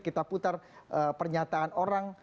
kita putar pernyataan orang